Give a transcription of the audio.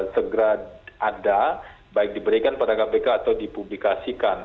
segera ada baik diberikan pada kpk atau dipublikasikan